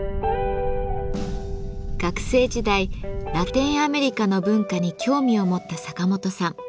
学生時代ラテンアメリカの文化に興味を持ったサカモトさん。